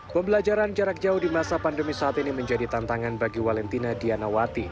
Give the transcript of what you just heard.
pembelajaran jarak jauh di masa pandemi saat ini menjadi tantangan bagi walentina dianawati